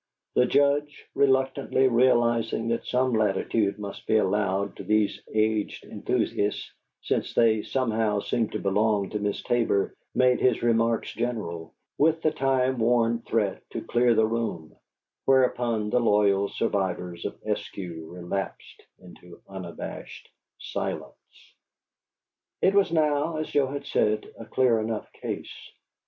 The Judge, reluctantly realizing that some latitude must be allowed to these aged enthusiasts, since they somehow seemed to belong to Miss Tabor, made his remarks general, with the time worn threat to clear the room, whereupon the loyal survivors of Eskew relapsed into unabashed silence. It was now, as Joe had said, a clear enough case.